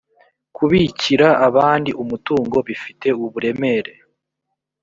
kubikira abandi umutungo bifite uburemere